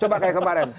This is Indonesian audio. coba kayak kemarin